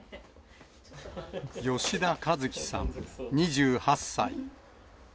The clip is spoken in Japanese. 吉田一貴さん２８歳。